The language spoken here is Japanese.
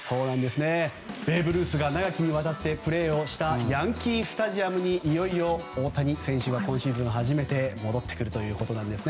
ベーブ・ルースが長きにわたってプレーをしたヤンキー・スタジアムにいよいよ大谷選手が今シーズン初めて戻ってくるということです。